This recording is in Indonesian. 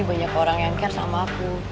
banyak orang yang care sama aku